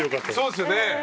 そうですよね。